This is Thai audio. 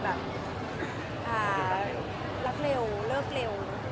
แบบรักเร็วเลิกเร็ว